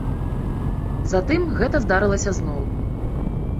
Затым гэта здарылася зноў.